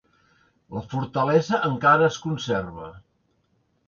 La fortalesa encara es conserva.